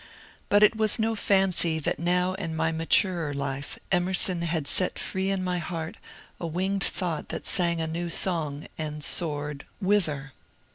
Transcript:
But it was no fancy that now in my maturer life Emerson had set free in my heart a winged thought that sang a new song and soared — whither